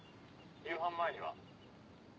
夕飯前には。